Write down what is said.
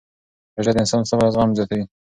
روژه د انسان صبر او زغم زیاتوي.